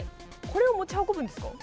これを持ち運ぶんですか？